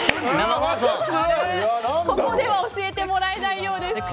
ここでは教えてもらえないようです。